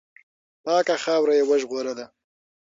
پاکه خاوره یې وژغورله.